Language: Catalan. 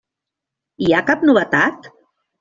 Hi ha cap novetat?